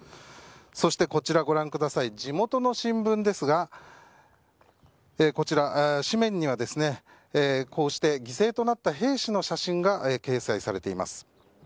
そしてこちら、地元の新聞ですが紙面には、こうして犠牲となった兵士の写真が掲載されています。